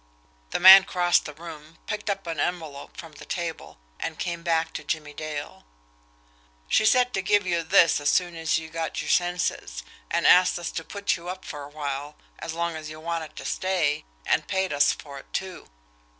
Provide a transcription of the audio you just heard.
The man crossed the room, picked up an envelope from the table, and came back to Jimmie Dale. "She said to give you this as soon as you got your senses, and asked us to put you up for a while, as long as you wanted to stay, and paid us for it, too.